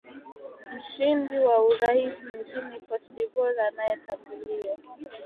mshindi wa urais nchini cote de voire anayetambuliwa